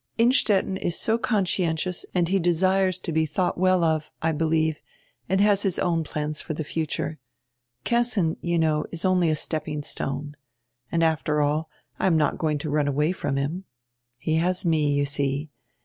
"Innstetten is so conscientious and he desires to be thought well of, I believe, and has his own plans for the future. Kessin, you know, is only a step ping stone. And, alter all, I am not going to run away from him. He has me, you see.